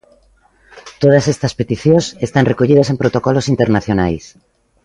Todas estas peticións están recollidas en protocolos internacionais.